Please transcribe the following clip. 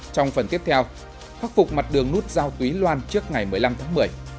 trong phần tiếp theo khắc phục mặt đường nút giao túy loan trước ngày một mươi năm tháng một mươi